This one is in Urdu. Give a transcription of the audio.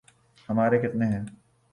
ہمارے کتنے ہیں۔